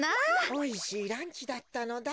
おいしいランチだったのだ。